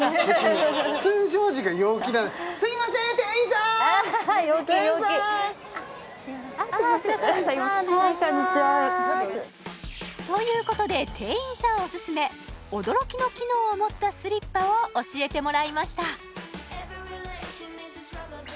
通常時が陽気なんでああ陽気陽気こんにちはということで店員さんお薦め驚きの機能を持ったスリッパを教えてもらいました